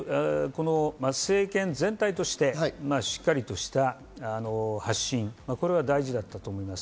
政権全体として、しっかりとした発信が大事だったと思います。